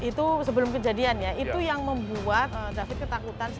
itu sebelum kejadian ya itu yang membuat david ketakutan